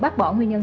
bác bỏ nguyên nhân